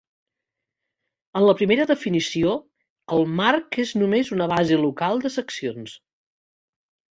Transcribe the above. En la primera definició, el marc és només una base local de seccions.